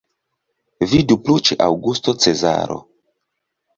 Vidu plu ĉe Aŭgusto Cezaro.